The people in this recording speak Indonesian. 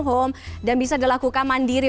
home dan bisa dilakukan mandiri